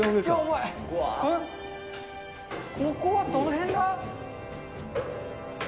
ここはどの辺だ？